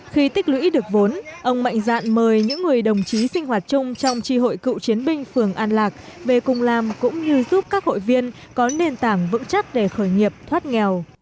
khi tích lũy được vốn ông mạnh dạn mời những người đồng chí sinh hoạt chung trong tri hội cựu chiến binh phường an lạc về cùng làm cũng như giúp các hội viên có nền tảng vững chắc để khởi nghiệp thoát nghèo